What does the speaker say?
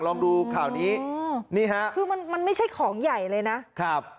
ลองดูข่าวนี้นี่ฮะคือมันมันไม่ใช่ของใหญ่เลยนะครับ